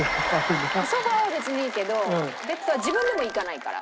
ソファは別にいいけどベッドは自分でも行かないから。